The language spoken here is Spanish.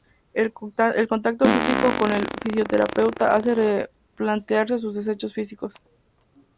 El contacto físico con el fisioterapeuta hace replantearse sus deseos físicos.